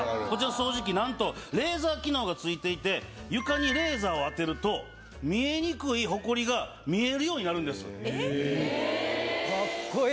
こちらの掃除機なんとレーザー機能が付いていて床にレーザーを当てると見えにくいホコリが見えるようになるんです。